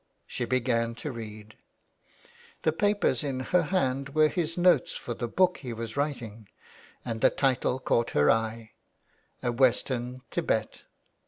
She began to read. The papers in her hand were his notes for the book he was writing, and the title caught her eye, '' A Western Thibet."